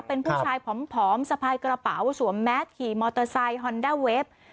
เป็นผู้ชายผอมสะพายกระเป๋าสวมแมสขี่มอเตอร์ไซค์ฮอนด้าเวฟ